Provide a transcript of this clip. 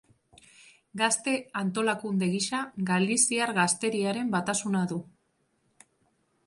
Gazte antolakunde gisa Galiziar Gazteriaren Batasuna du.